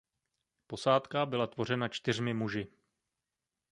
Posádka byla tvořena čtyřmi muži.